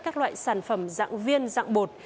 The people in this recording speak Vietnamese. các loại sản phẩm dạng viên dạng bột